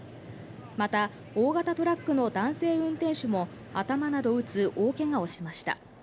また、大型トラックの男性運転手も頭などを打つ大けがをしました。